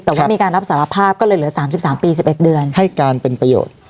แต่ว่ามีการรับสารภาพก็เลยเหลือ๓๓ปี๑๑เดือนให้การเป็นประโยชน์